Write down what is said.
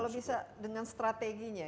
kalau bisa dengan strateginya